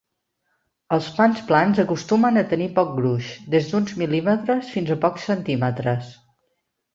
Els pans plans acostumen a tenir poc gruix, des d'uns mil·límetres fins a pocs centímetres.